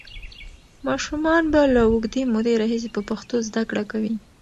ماشومان به له اوږدې مودې راهیسې په پښتو زده کړه کوي.